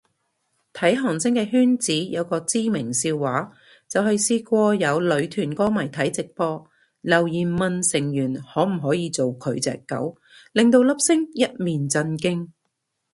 睇韓星嘅圈子有個知名笑話，就係試過有女團歌迷睇直播，留言問成員可唔可以做佢隻狗，令到粒星一面震驚